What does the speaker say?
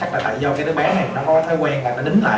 do đứa bé này có thói quen là nó đính lại